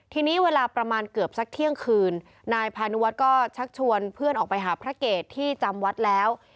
ทีนี้เวลาประมาณเกือบสักเที่ยงคืนนายพานุวัฒน์ก็ชักชวนเพื่อนออกไปหาพระเกตที่จำวัดแล้ว